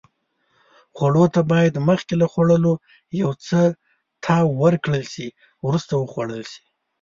خوړو ته باید مخکې له خوړلو یو ځل تاو ورکړل شي. وروسته وخوړل شي.